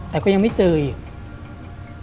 แต่ก็ยังไม่เจออีก